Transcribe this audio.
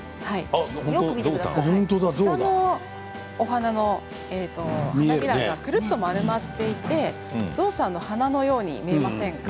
下の花びらがくるっと丸まっていて象さんの花のように見えませんか。